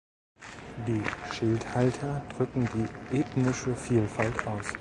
Die Schildhalter drücken die ethnische Vielfalt aus.